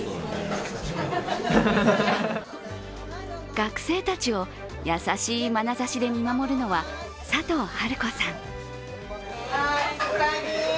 学生たちを優しいまなざしで見守るのは佐藤治子さん。